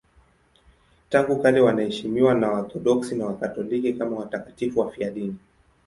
Tangu kale wanaheshimiwa na Waorthodoksi na Wakatoliki kama watakatifu wafiadini.